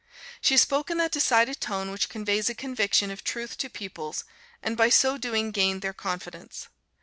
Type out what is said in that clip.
She spoke in that decided tone which conveys a conviction of truth to pupils, and by so doing gained their confidence.